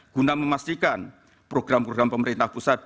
guna memastikan program program pemerintah pusat